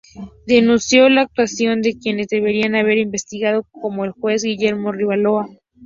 Denunció la actuación de quienes debieron haber investigado, como el juez Guillermo Rivarola.